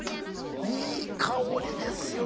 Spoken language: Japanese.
いい香りですよ。